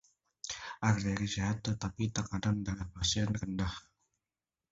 Arteri sehat tetapi tekanan darah pasien rendah.